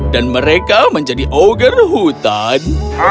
dan mereka menjadi ogger hutan